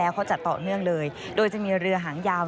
เขาจัดต่อเนื่องเลยโดยจะมีเรือหางยาว